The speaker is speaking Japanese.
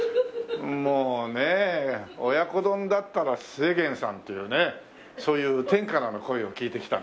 もうね親子丼だったら末げんさんというねそういう天からの声を聞いて来たので。